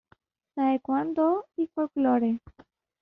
Taekwondo y Folklore.